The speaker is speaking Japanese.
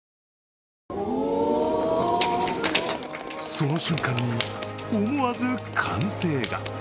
その瞬間に思わず歓声が。